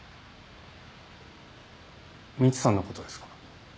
みちさんのことですか？